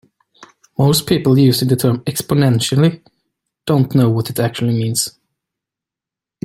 Most people using the term "exponentially" don't know what it actually means.